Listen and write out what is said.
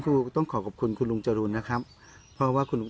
ครูก็ต้องขอขอบคุณคุณลุงจรูนนะครับเพราะว่าคุณลุง